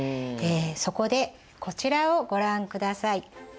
そこでこちらをご覧ください。